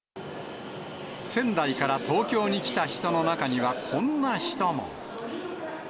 仙台から東京に来た人の中には、こんな人も。